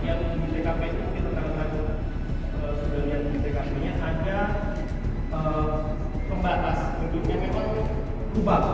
itu sekitar kurang lebih empat ratus enam ratus juta